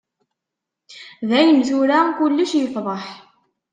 Dayen tura, kullec yefḍeḥ.